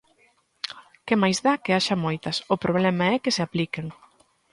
¡Que máis dá que haxa moitas, o problema é que se apliquen!